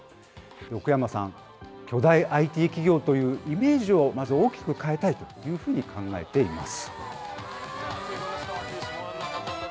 奥山さん、巨大ＩＴ企業というイメージをまず大きく変えたいというふうに考えています。